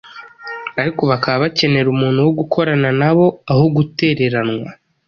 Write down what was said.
ariko bakaba bakenera umuntu wo gukorana na bo aho gutereranwa.